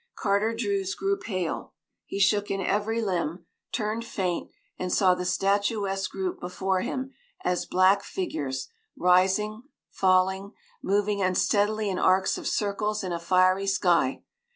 Carter Druse grew pale; he shook in every limb, turned faint, and saw the statuesque group before him as black figures, rising, falling, moving unsteadily in arcs of circles in a fiery sky.